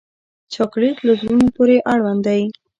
چاکلېټ له زړونو پورې اړوند دی.